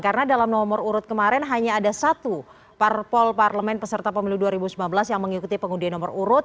karena dalam nomor urut kemarin hanya ada satu parpol parlemen peserta pemilu dua ribu sembilan belas yang mengikuti pengundian nomor urut